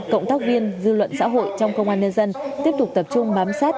cộng tác viên dư luận xã hội trong công an nhân dân tiếp tục tập trung bám sát